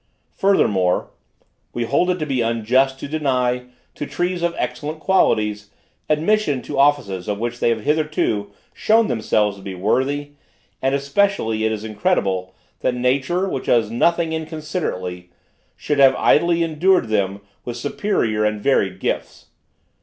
Furthermore, we hold it to be unjust to deny, to trees of excellent qualities, admission to offices of which they have hitherto shown themselves to be worthy and especially it is incredible, that nature, which does nothing inconsiderately, should have idly endued them with superior and varied gifts.